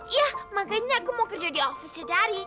iya makanya aku mau kerja di office ya dari